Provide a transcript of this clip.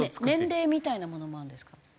年齢みたいなものもあるんですか？